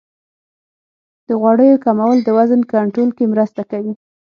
د غوړیو کمول د وزن کنټرول کې مرسته کوي.